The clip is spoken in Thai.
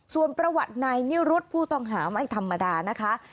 ส่วนประวัตินายนิรุธผู้ต้องหาไม่ธรรมดานะคะ